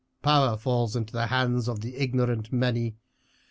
Power falls into the hands of the ignorant many.